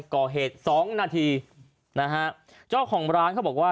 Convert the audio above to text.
ก่อเหตุสองนาทีนะฮะเจ้าของร้านเขาบอกว่า